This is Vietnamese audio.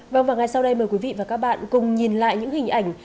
vâng và ngay sau đây mời quý vị và các bạn cùng nhìn lại những hình ảnh